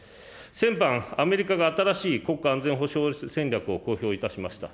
先般、アメリカが新しい国家安全保障戦略を公表いたしました。